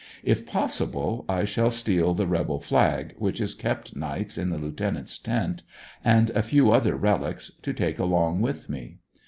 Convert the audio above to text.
If possible, I shall steal the rebel tiag, which is kept nights in the lieutenant's tent, and a few other relics, to take along with me.